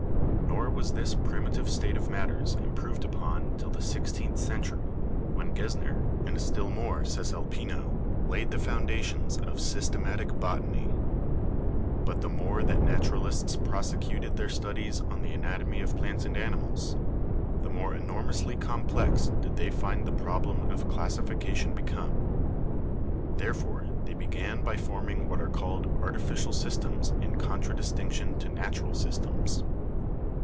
Nor was this primitive state of matters improved upon till the sixteenth century, when Gesner, and still more Cesalpino, laid the foundations of systematic botany. "But the more that naturalists prosecuted their studies on the anatomy of plants and animals, the more enor mously complex did they find the problem of classification become. Therefore they began by forming what are called artificial systems in contradistinction to natural systems.